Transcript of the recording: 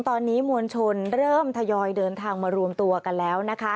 ตอนนี้มวลชนเริ่มทยอยเดินทางมารวมตัวกันแล้วนะคะ